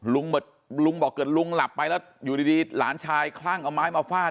ลุงบอกเกิดลุงหลับไปแล้วอยู่ดีหลานชายคลั่งเอาไม้มาฟาด